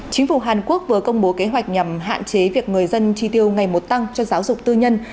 chính phủ hàn quốc vừa công bố kế hoạch nhằm hạn chế việc người dân chi tiêu ngày một tăng cho giáo dục tư nhân